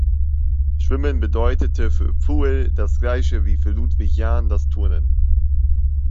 Schwimmen bedeutete für Pfuel das gleiche wie für Ludwig Jahn das Turnen.